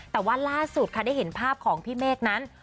แต่ว่าล่าสุดค่ะได้เห็นภาพของพี่เมฆนั้น